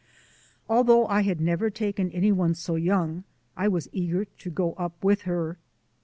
Although I had never taken anyone so young I was eager to go up with her.